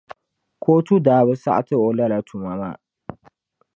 Kootu daa bi saɣiti o lala tuma maa.